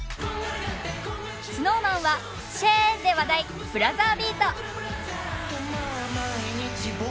ＳｎｏｗＭａｎは「シェー」で話題「ブラザービート」。